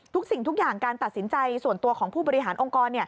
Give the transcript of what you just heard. สิ่งทุกอย่างการตัดสินใจส่วนตัวของผู้บริหารองค์กร